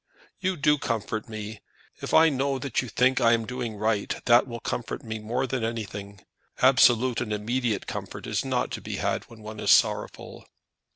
"You do comfort me. If I know that you think I am doing right, that will comfort me more than anything. Absolute and immediate comfort is not to be had when one is sorrowful."